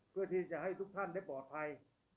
เพื่อที่จะให้ทุกท่านได้ปลอดภัย